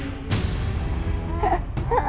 iya seneng ya